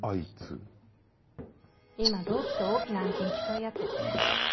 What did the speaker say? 今同期と大きな案件競い合ってて。